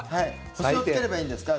星をつければいいんですか？